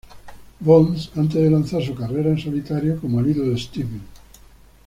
Bonds, antes de lanzar su carrera en solitario como Little Steven.